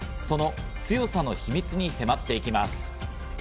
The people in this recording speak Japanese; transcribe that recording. その強さの秘密に迫っていきます。